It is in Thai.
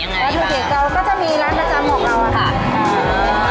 วัตถุดิบเราก็จะมีร้านประจำของเราค่ะ